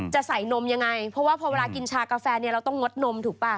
จะใส่นมยังไงเพราะว่าพอเวลากินชากาแฟเนี่ยเราต้องงดนมถูกป่ะ